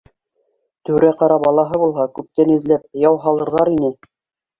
Түрә-ҡара балаһы булһа, күптән эҙләп яу һалырҙар ине